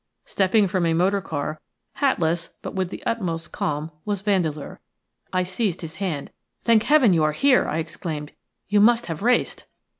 Stepping from a motor car, hatless but with the utmost calm, was Vandeleur. I seized his hand. "Thank Heaven you are here!" I exclaimed. "You must have raced."